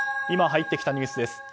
今入ってきたニュースです。